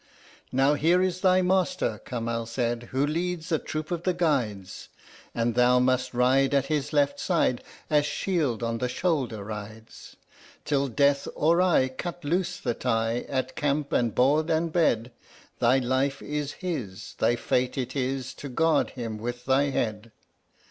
"Now here is thy master," Kamal said, "who leads a troop of the Guides, And thou must ride at his left side as shield on shoulder rides. Till Death or I cut loose the tie, at camp and board and bed, Thy life is his thy fate it is to guard him with thy head.